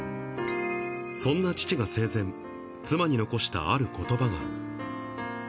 そんな父が生前、妻に残したあることばが。